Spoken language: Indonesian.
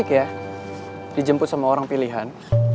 ya dijemput sama orang pilihan